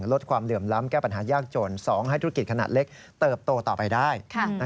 ลดความเหลื่อมล้ำแก้ปัญหายากจน๒ให้ธุรกิจขนาดเล็กเติบโตต่อไปได้